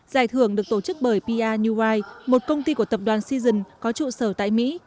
giải thưởng được tổ chức bởi pia nhuy một công ty của tập đoàn season có trụ sở tại mỹ